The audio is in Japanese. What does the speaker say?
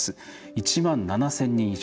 １万７０００人以上。